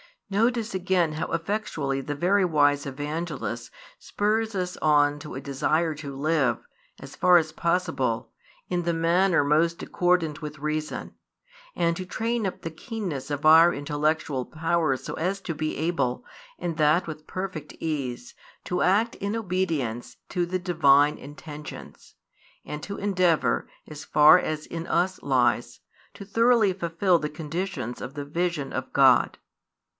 Notice again how effectually the very wise Evangelist spurs us on to a desire to live, as far as possible, in the manner most accordant with reason, and to train up the keenness of our intellectual powers so as to be able, and that with perfect ease, to act in obedience to the Divine intentions, and to endeavour, as far as in us lies, to thoroughly fulfil the conditions of the vision of God.